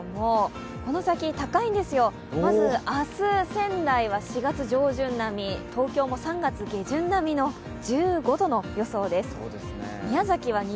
まず明日、仙台は４月上旬並み東京も３月下旬並みの１５度の予想です。